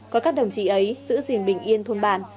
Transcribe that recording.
có các đồng chí ấy giữ gìn bình yên thôn bàn